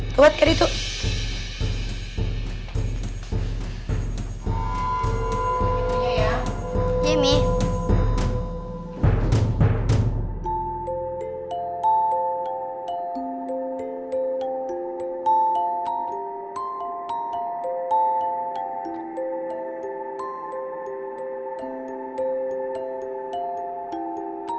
luat kayak gitu